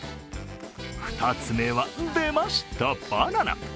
２つ目は、出ました、バナナ。